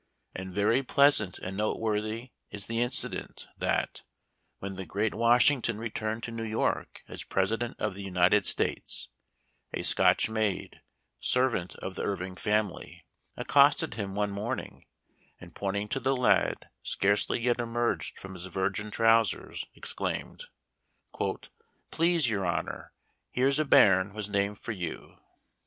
And very pleasant and noteworthy is the incident that, when the great Washington returned to New York as President of the United States, a Scotch maid, servant of the Irving family, accosted him one morning, and pointing to the lad scarcely yet emerged from his virgin trowsers, exclaimed, " Please your honor, here's a bairn was named for you."